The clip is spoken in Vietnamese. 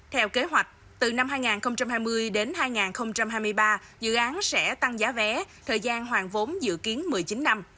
theo kế hoạch từ năm hai nghìn hai mươi đến hai nghìn hai mươi ba dự án sẽ tăng giá vé thời gian hoàn vốn dự kiến một mươi chín năm